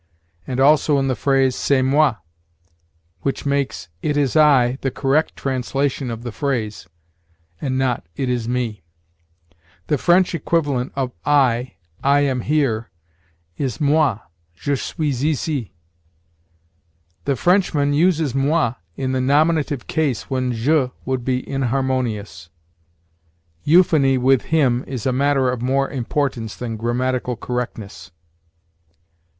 and also in the phrase "C'est moi," which makes "It is I" the correct translation of the phrase, and not "It is me." The French equivalent of "I! I am here," is "Moi! je suis ici." The Frenchman uses moi in the nominative case when je would be inharmonious. Euphony with him is a matter of more importance than grammatical correctness.